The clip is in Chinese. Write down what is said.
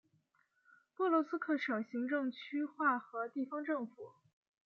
波罗兹克省行政区划和地方政府。